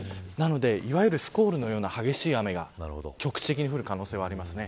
いわゆるスコールのような激しい雨が局地的に降る可能性があります。